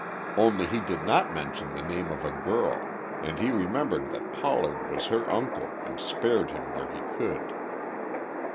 Only he did not mention the name of a girl, and he remembered that Pollard was her uncle and spared him where he could.